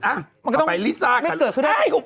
แต่ถ้าไม่เกิดขึ้นได้